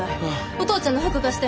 お父ちゃんの服貸して。